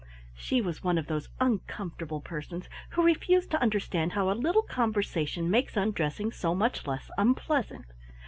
She was one of those uncomfortable persons who refuse to understand how a little conversation makes undressing so much less unpleasant.